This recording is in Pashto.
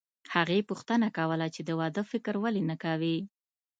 هغې پوښتنه کوله چې د واده فکر ولې نه کوې